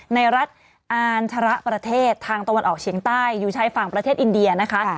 ในรัฐอานชระประเทศทางตะวันออกเฉียงใต้อยู่ชายฝั่งประเทศอินเดียนะคะ